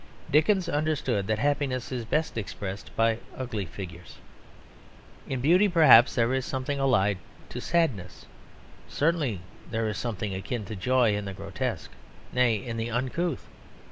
Dickens understood that happiness is best expressed by ugly figures. In beauty, perhaps, there is something allied to sadness; certainly there is something akin to joy in the grotesque, nay, in the uncouth.